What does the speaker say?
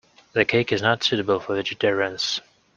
The cake is not suitable for vegetarians.